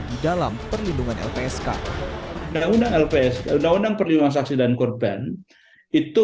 di dalam perlindungan lpsk undang undang lpsk undang undang perlindungan saksi dan korban itu